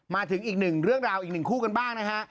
มาถึงอีกหนึ่งเรื่องราวอีกหนึ่งคู่กันบ้างนะฮะ